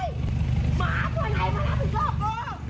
มันรับผิดชอบกูไว้หมาช่วยอะไรมันรับผิดชอบกู